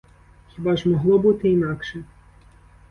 Хіба ж могло бути інакше?